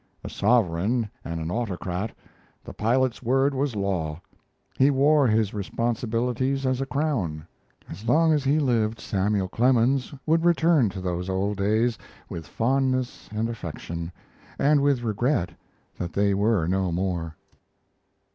A sovereign and an autocrat, the pilot's word was law; he wore his responsibilities as a crown. As long as he lived Samuel Clemens would return to those old days with fondness and affection, and with regret that they were no more.